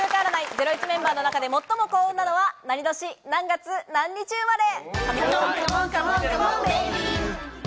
『ゼロイチ』メンバーの中で最も幸運なのは何年、何月何日生まれ？